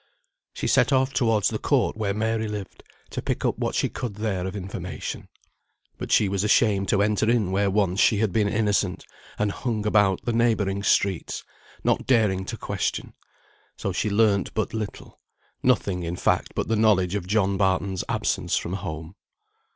She set off towards the court where Mary lived, to pick up what she could there of information. But she was ashamed to enter in where once she had been innocent, and hung about the neighbouring streets, not daring to question, so she learnt but little; nothing in fact but the knowledge of John Barton's absence from home.